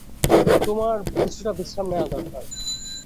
তোমার কিছুটা বিশ্রাম নেয়া দরকার।